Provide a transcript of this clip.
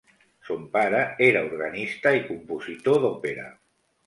Son pare era organista i compositor d'òpera.